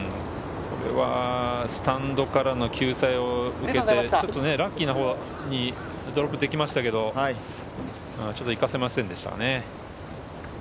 これはスタンドからの救済を経て、ラッキーなほうにドロップできましたけど、ちょっと生かせませんでしたね。